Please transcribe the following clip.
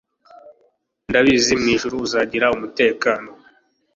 ndabizi mwijuru, uzagira umutekano